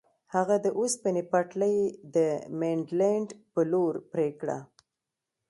هغه د اوسپنې پټلۍ د مینډلینډ په لور پرې کړه.